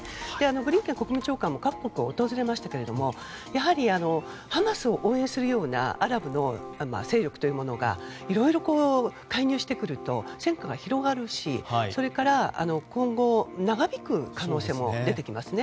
ブリンケン国務長官も各国を訪れましたけれどもやはり、ハマスを応援するようなアラブの勢力というものがいろいろ、介入してくると戦火が広がるしそれから今後、長引く可能性も出てきますね。